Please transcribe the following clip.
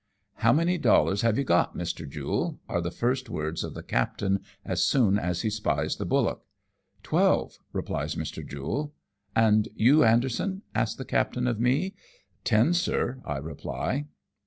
" How many dollars have you got, Mr. Jule ?" are the first words of the captain, as soon as he spies the bullock. " Twelve," replies Mr. Jule. " And you, Anderson ?" asks the captain of me. "Ten, sir," I reply.